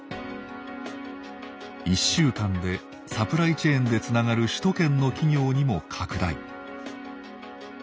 １週間でサプライチェーンでつながる首都圏の企業にも拡大。